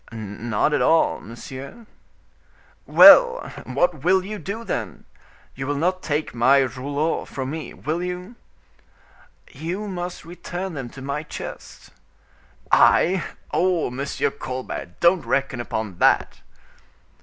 "Not at all, monsieur." "Well! what will you do, then? You will not take my rouleaux from me, will you?" "You must return them to my chest." "I! Oh! Monsieur Colbert, don't reckon upon that."